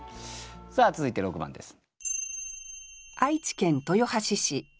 さあ続いて６番です。